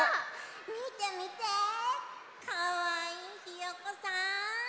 みてみてかわいいひよこさん。